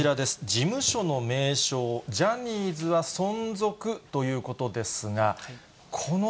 事務所の名称、ジャニーズは存続ということです